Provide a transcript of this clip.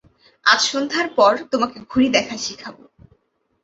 আজ সন্ধার পর তোমাকে ঘড়ি দেখা শেখাব।